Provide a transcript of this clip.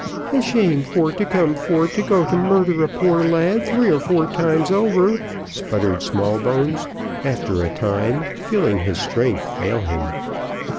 "A shame for to come for to go to murder a poor lad three or four times over," sputtered Smallbones, after a time, feeling his strength fail him.